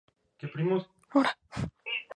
Es originaria de África, Arabia y Asia.